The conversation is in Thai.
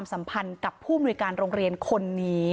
เชิงชู้สาวกับผอโรงเรียนคนนี้